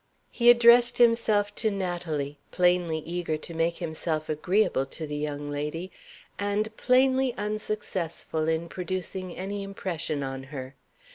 He addressed himself to Natalie; plainly eager to make himself agreeable to the young lady and plainly unsuccessful in producing any impression on her.